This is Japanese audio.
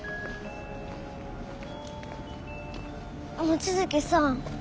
望月さん。